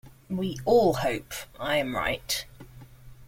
We all hope I am right.